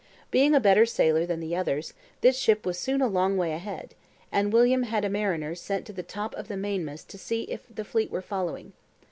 Being a better sailer than the others, this ship was soon a long way ahead; and William had a mariner sent to the top of the mainmast to see if the fleet were following.